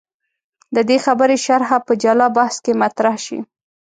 د دې خبرې شرحه په جلا بحث کې مطرح شي.